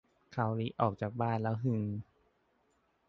คาโอริออกจากบ้านแล้วฮือ